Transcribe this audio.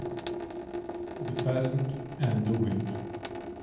THE PEASANT AND THE WIND.